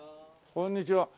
こんにちは。